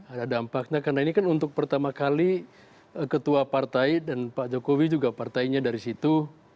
ada dampaknya karena ini kan untuk pertama kali ketua partai dan pak jokowi juga partainya dari situ